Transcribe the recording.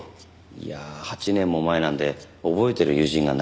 いや８年も前なんで覚えてる友人がなかなか。